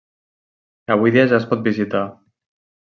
Avui dia ja es pot visitar.